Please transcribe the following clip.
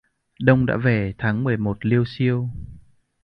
Đông đã về tháng mười một liêu xiêu...!